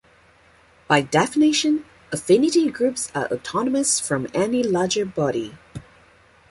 By definition, Affinity groups are autonomous from any larger body.